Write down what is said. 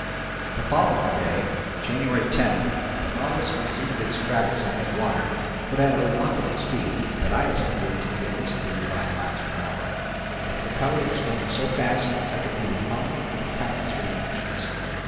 THE FOLLOWING DAY, January 10, the Nautilus resumed its travels in midwater but at a remarkable speed that I estimated to be at least thirty five miles per hour. The propeller was going so fast I could neither follow nor count its revolutions.